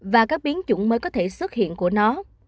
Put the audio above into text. và các biến chủng mới có thể xuất hiện của nó